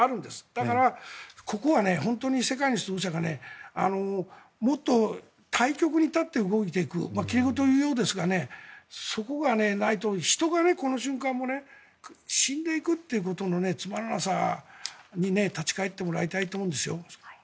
だから、ここは本当に世界の指導者がもっと大局に立って動いていく奇麗事を言うようですがそこがないと、人がこの瞬間も死んでいくということのつまらなさに立ち返ってもらいたいと思うんです。